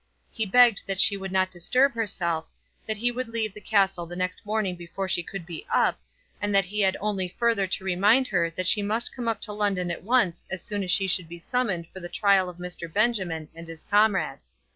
He begged that she would not disturb herself, that he would leave the castle the next morning before she could be up, and that he had only further to remind her that she must come up to London at once as soon as she should be summoned for the trial of Mr. Benjamin and his comrade.